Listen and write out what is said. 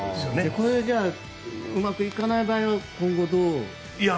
これでうまくいかない場合は今後、どうなるのか。